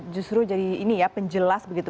justru jadi ini ya penjelas begitu